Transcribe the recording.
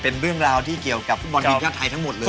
เป็นเรื่องราวที่เกี่ยวกับบอลดินท์จากไทยทั้งหมดเลย